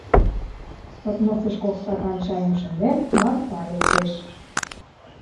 Подносеш кок стакан чайым шынден, Марпа лектеш.